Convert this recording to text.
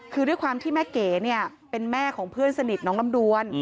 คือด้วยความที่แม่เก๋เนี่ยเป็นแม่ของเพื่อนสนิทน้องลำดวน